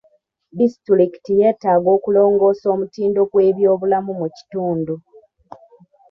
Disitulikiti yeetaaga okulongoosa omutindo gw'ebyobulamu mu kitundu.